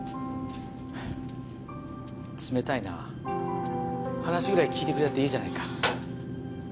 冷たいなぁ話ぐらい聞いてくれたっていいじゃないか。